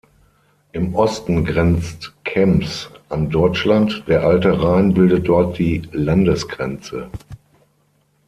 Im Osten grenzt Kembs an Deutschland; der alte Rhein bildet dort die Landesgrenze.